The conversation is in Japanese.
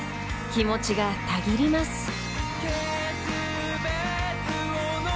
気持ちがたぎります］